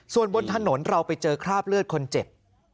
ส่วนบนถนนเราไปเจอคราบเลือดคนเจ็บ